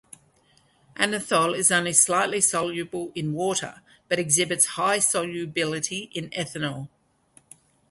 Anethole is only slightly soluble in water but exhibits high solubility in ethanol.